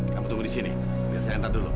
kamu tunggu di sini biar saya hantar dulu